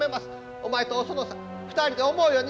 お前とお園さん２人で思うようになさい！